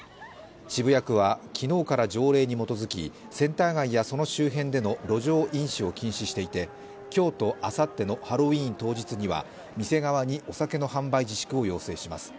渋谷区は昨日から条例に基づきセンター街やその周辺での路上飲酒を禁止していて今日とあさってのハロウィーン当日には店側にお酒の販売自粛を要請します。